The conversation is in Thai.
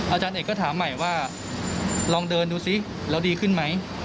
อาจารย์เอกก็ถามใหม่ว่าลองเดินดูซิแล้วดีขึ้นไหม